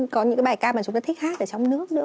có những cái bài ca mà chúng ta thích hát ở trong nước nữa